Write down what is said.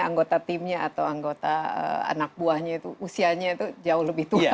anggota timnya atau anggota anak buahnya itu usianya itu jauh lebih tua